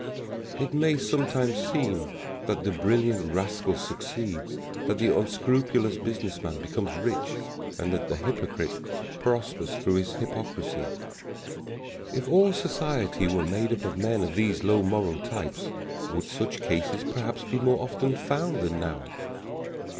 It may sometimes seem that the brilliant rascal succeeds, that the unscrupulous business man becomes rich, and that the hypocrite prospers through his hypocrisy. If all society were made up of men of these low moral types, would such cases perhaps be more often found than now?